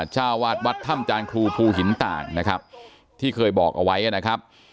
จ้าวาทวัดทำนะครูภูหินต่างที่เกย์โบรกเอาไว้นะครับ